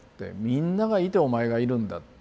みんながいてお前がいるんだ。